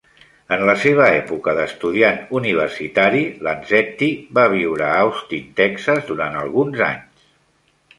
En la seva època d'estudiant universitari, Lanzetti va viure a Austin, Texas durant alguns anys.